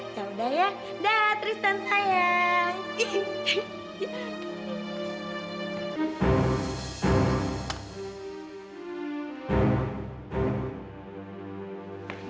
yaudah ya dah tristan sayang